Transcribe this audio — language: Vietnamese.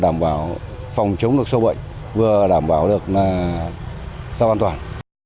đảm bảo phòng chống được số bệnh vừa là đảm bảo được giao an toàn